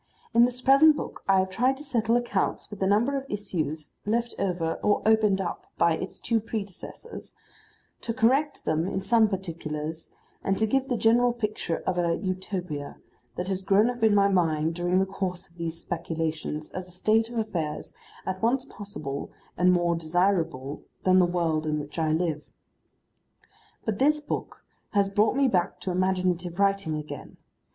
In this present book I have tried to settle accounts with a number of issues left over or opened up by its two predecessors, to correct them in some particulars, and to give the general picture of a Utopia that has grown up in my mind during the course of these speculations as a state of affairs at once possible and more desirable than the world in which I live. But this book has brought me back to imaginative writing again.